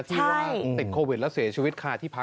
ติดโควิดแล้วเสียชีวิตค่ะ